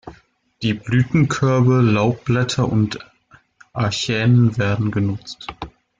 Die Blütenkörbe, Laubblätter und Achänen werden genutzt.